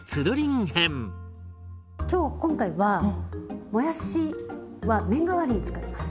今日今回はもやしは麺代わりに使います。